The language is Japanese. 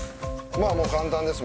まあもう簡単です